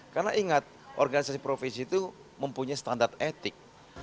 karena ingat organisasi profesi itu mempunyai standar etik